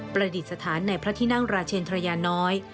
ประดิษฐานในพระที่นั่งราชเชนทรยาน้อย